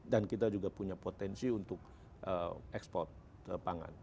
dan kita juga punya potensi untuk ekspor pangan